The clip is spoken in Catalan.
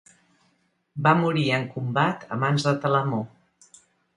Va morir en combat a mans de Telamó.